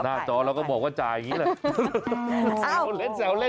จอเราก็บอกว่าจ่ายอย่างนี้แหละ